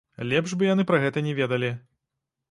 Лепш бы яны пра гэта не ведалі.